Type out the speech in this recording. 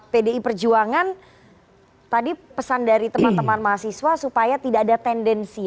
pdi perjuangan tadi pesan dari teman teman mahasiswa supaya tidak ada tendensi